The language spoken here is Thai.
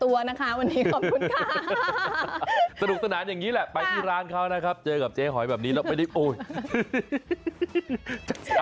วันนี้ขอบคุณเจ๊หอยนะคะ